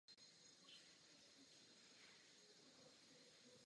V Česku zahynou po zásahu elektrickým proudem ročně tisíce ptáků.